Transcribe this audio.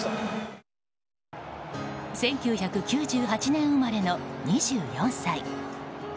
１９９８年生まれの２４歳。